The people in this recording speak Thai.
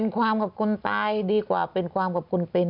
ความขอบคุณตายดีกว่าเป็นความขอบคุณเป็น